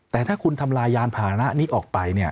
แต่ถ้าคุณทำลายยานพานะนี้ออกไป